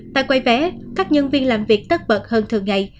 tại quầy vé các nhân viên làm việc tất bật hơn thường ngày